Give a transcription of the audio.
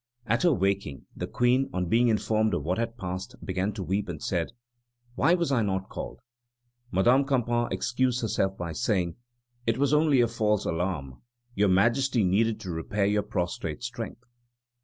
At her waking the Queen, on being informed of what had passed, began to weep, and said: "Why was I not called?" Madame Campan excused herself by saying: "It was only a false alarm. Your Majesty needed to repair your prostrate strength."